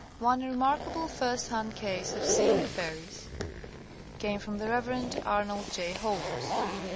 One remarkable first hand case of seeing fairies came from the Rev. Arnold J. Holmes.